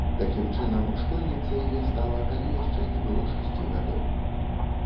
Такім чынам, школьніцай я стала, калі яшчэ не было шасці гадоў.